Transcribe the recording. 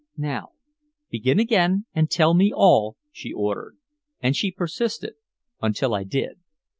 "Now begin again and tell me all," she ordered. And she persisted until I did.